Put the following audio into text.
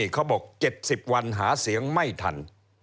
เขาบอก๗๐วันหาเสียงไม่ทัน